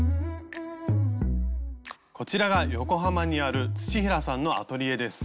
こちらが横浜にある土平さんのアトリエです。